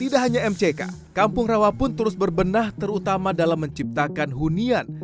tidak hanya mck kampung rawa pun terus berbenah terutama dalam menciptakan hunian